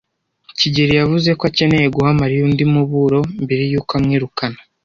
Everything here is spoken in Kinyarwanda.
kigeli yavuze ko akeneye guha Mariya undi muburo mbere yuko amwirukana.